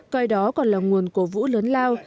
coi đó còn là nguồn cổ vũ lớn lao